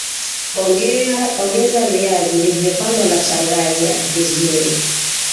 Ongeza viazi vilivyopondwa na changanya vizuri